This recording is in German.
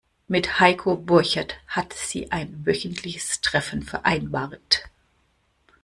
Mit Heiko Borchert hat sie ein wöchentliches Treffen vereinbart.